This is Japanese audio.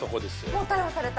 もう逮捕された？